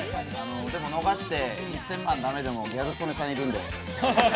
でも逃して１０００万駄目でもギャル曽根さんいるんで。